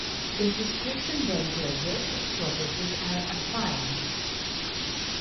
This description then tells us which properties are 'affine'.